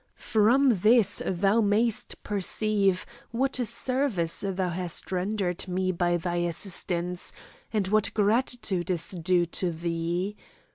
From this thou mayst perceive what a service thou hast rendered me by thy assistance, and what gratitude is due to thee.